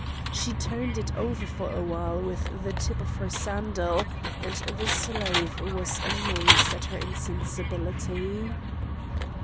She turned it over for a while with the tip of her sandal, and the slave was amazed at her insensibility.